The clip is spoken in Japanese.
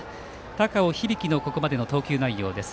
高尾響のここまでの投球内容です。